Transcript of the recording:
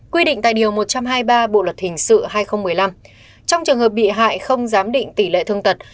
quy định tại điều một trăm hai mươi ba bộ luật hình sự hai nghìn một mươi năm trong trường hợp bị hại không giám định tỷ lệ thương tật